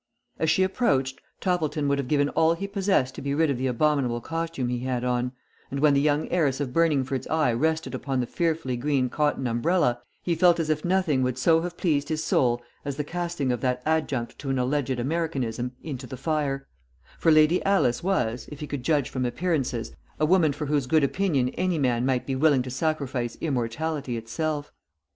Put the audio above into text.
As she approached Toppleton would have given all he possessed to be rid of the abominable costume he had on; and when the young heiress of Burningford's eye rested upon the fearfully green cotton umbrella, he felt as if nothing would so have pleased his soul as the casting of that adjunct to an alleged Americanism into the fire; for Lady Alice was, if he could judge from appearances, a woman for whose good opinion any man might be willing to sacrifice immortality itself.